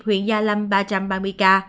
huyện gia lâm ba trăm ba mươi một ca